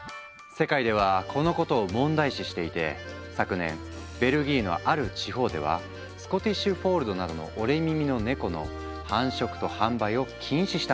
世界ではこのことを問題視していて昨年ベルギーのある地方ではスコティッシュ・フォールドなどの折れ耳のネコの繁殖と販売を禁止したんだとか。